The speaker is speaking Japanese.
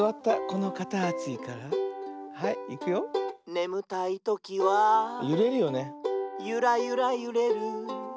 「ねむたいときはユラユラゆれる」